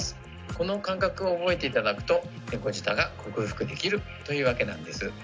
この感覚を覚えて頂くと猫舌が克服できるというわけなんです。